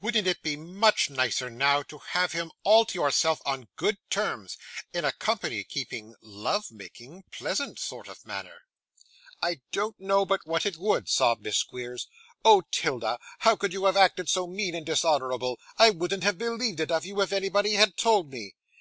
Wouldn't it be much nicer, now, to have him all to yourself on good terms, in a company keeping, love making, pleasant sort of manner?' 'I don't know but what it would,' sobbed Miss Squeers. 'Oh! 'Tilda, how could you have acted so mean and dishonourable! I wouldn't have believed it of you, if anybody had told me.